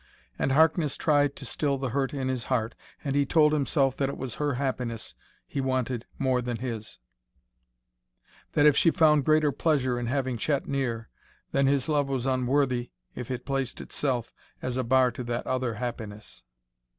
And Harkness tried to still the hurt in his heart, and he told himself that it was her happiness be wanted more than his; that if she found greater pleasure in having Chet near, then his love was unworthy if it placed itself as a bar to that other happiness.